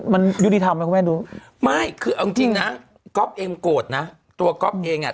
มังไม่ค่อยมังไม่ค่อยตื่นไง